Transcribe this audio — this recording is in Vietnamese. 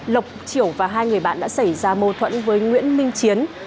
lộc triều và hai người bạn đã xảy ra mô thuẫn với nguyễn minh chiến